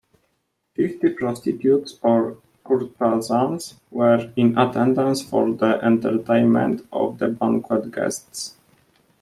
Fifty prostitutes or courtesans were in attendance for the entertainment of the banquet guests.